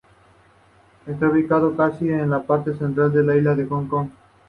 Está ubicado casi en la parte central de la isla de Hong Kong.